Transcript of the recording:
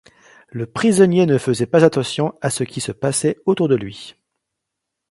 Le prisonnier ne faisait pas attention à ce qui se passait autour de lui.